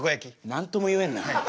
何とも言えんな。